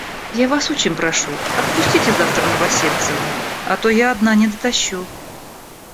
Я Вас очень прошу, отпустите завтра Новосельцева, а то я одна не дотащу.